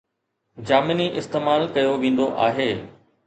جامني استعمال ڪيو ويندو آهي